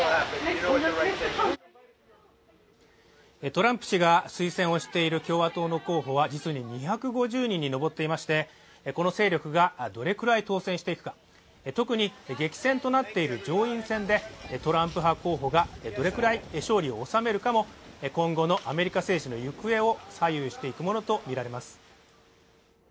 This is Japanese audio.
トランプ氏が推薦をしている共和党の候補は実に２５０人に上っていましてこの勢力がどれくらい当選していくか特に激戦となっている上院選でトランプ候補がどれくらい勝利を収めるかも今後のアメリカ政治の行方を左右していくものと見られます